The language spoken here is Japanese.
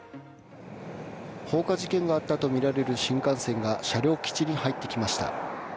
放火事件があったとみられる新幹線が車両基地に入ってきました。